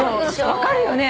分かるよね？